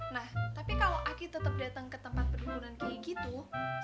nah tapi kalau aki tetep dateng ke tempat perguruan ki gitu